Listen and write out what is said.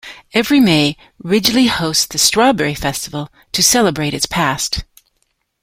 Every May, Ridgely hosts the Strawberry Festival to celebrate its past.